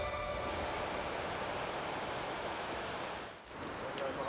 おはようございます。